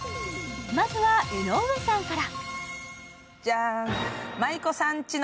まずは江上さんから。